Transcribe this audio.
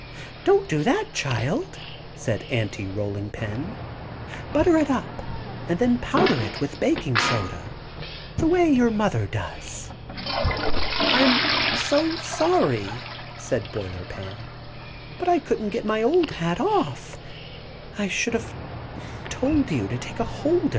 "Don't do that, child," said Aunty Rolling Pin. "Butter it and then powder it with baking soda the way your mother does." [Illustration: "Don't do that child."] "I'm so sorry," said Boiler Pan, "but I really couldn't get my old hat off. I should have told you to take a holder."